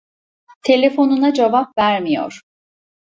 Telefonuna cevap vermiyor.